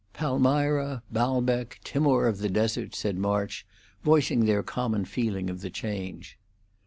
"Palmyra, Baalbec, Timour of the Desert," said March, voicing their common feeling of the change.